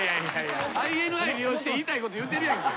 ＩＮＩ利用して言いたいこと言うてるやんけ。